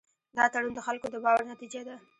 دا تړون د خلکو د باور نتیجه ده.